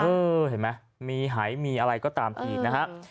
เออเห็นไหมมีไหมีอะไรก็ตามทีนะครับ